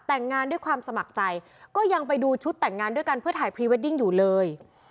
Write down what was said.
แต่งงานด้วยความสมัครใจก็ยังไปดูชุดแต่งงานด้วยกันเพื่อถ่ายพรีเวดดิ้งอยู่เลย